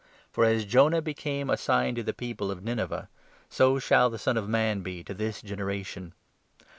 For, as Jonah became a sign to the people of 30 Nineveh, so shall the Son of Man be to this generation.